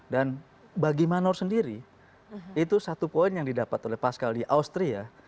dan bagi manor sendiri itu satu poin yang didapat oleh pascal di austria